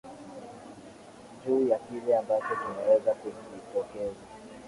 juu ya kile ambacho kimeweza kujitokeza